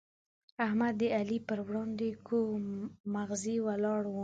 احمد د علي پر وړاندې کوږ مغزی ولاړ وو.